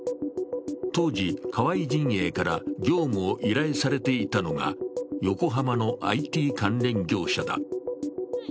当時、河井陣営から業務を依頼されていたのが横浜のＩＴ関連業者だ。